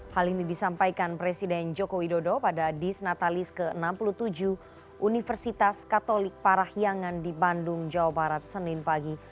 hal ini disampaikan presiden joko widodo pada disnatalis ke enam puluh tujuh universitas katolik parahyangan di bandung jawa barat senin pagi